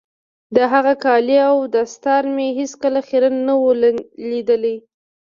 د هغه کالي او دستار مې هېڅ کله خيرن نه وو ليدلي.